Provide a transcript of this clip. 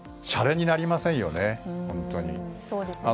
しゃれになりませんよね、本当に。